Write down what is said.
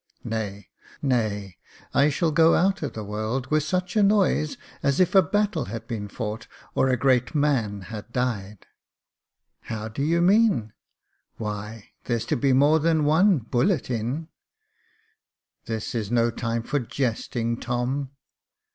Nay, I shall go out of the world with as much noise as if a battle had been fought, or a great man had died." 412 Jacob Faithful " How do you mean ?" "Why there'll be more than one bullet in.^* " This is no time for jesting, Tom."